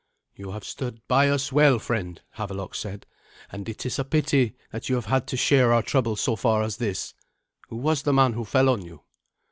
"You have stood by us well, friend," Havelok said, "and it is a pity that you have had to share our trouble so far as this. Who was the man who fell on you?"